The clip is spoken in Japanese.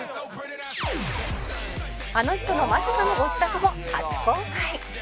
あの人のまさかのご自宅も初公開